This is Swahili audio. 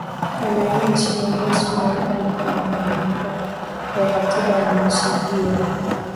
ananchi wa misri waunga mkono mabadiliko ya katiba ya nchi hiyo